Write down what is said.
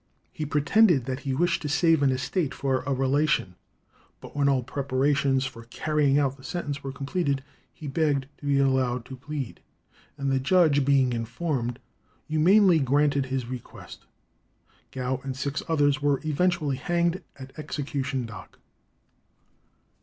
He pretended that he wished to save an estate for a relation; but when all preparations for carrying out the sentence were completed, he begged to be allowed to plead, and "the judge being informed, humanely granted his request." Gow and six others were eventually hanged at Execution Dock.